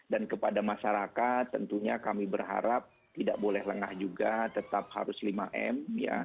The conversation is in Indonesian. dan kepada masyarakat tentunya kami berharap tidak boleh lengah juga tetap harus lima m